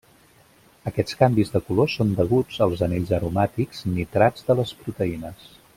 Aquests canvis de color són deguts als anells aromàtics nitrats de les proteïnes.